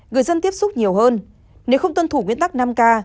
người dân tiếp xúc nhiều hơn nếu không tuân thủ nguyên tắc năm k